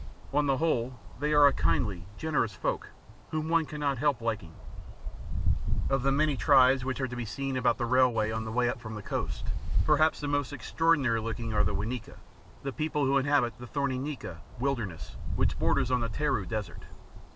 On the whole, they are a kindly, generous folk, whom one cannot help liking. Of the many tribes which are to be seen about the railway on the way up from the coast, perhaps the most extraordinary looking are the Wa Nyika, the people who inhabit the thorny nyika (wilderness) which borders on the Taru Desert.